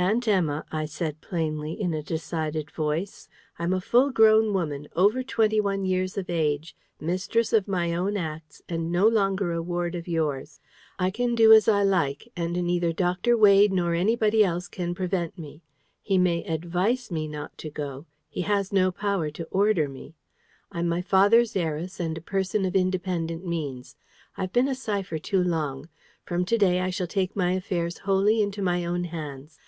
"Aunt Emma," I said plainly, in a decided voice, "I'm a full grown woman, over twenty one years of age, mistress of my own acts, and no longer a ward of yours. I can do as I like, and neither Dr. Wade nor anybody else can prevent me. He may ADVICE me not to go: he has no power to ORDER me. I'm my father's heiress, and a person of independent means. I've been a cipher too long. From to day I take my affairs wholly into my own hands.